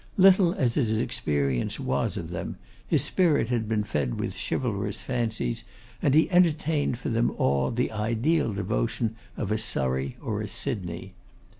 Little as his experience was of them, his spirit had been fed with chivalrous fancies, and he entertained for them all the ideal devotion of a Surrey or a Sydney.